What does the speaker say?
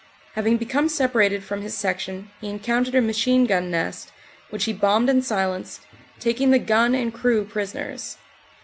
Having become separated from his section he encountered a machine gun nest, which he bombed and silenced, taking the gun and crew prisoners.